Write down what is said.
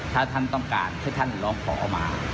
ถ้าท่านต้องการให้ท่านร้องขอมา